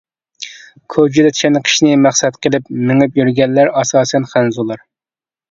كوچىدا چېنىقىشنى مەقسەت قىلىپ، مېڭىپ يۈرگەنلەر ئاساسەن خەنزۇلار.